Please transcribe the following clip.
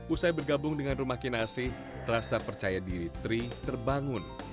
usai bergabung dengan rumah kinasi rasa percaya diri tri terbangun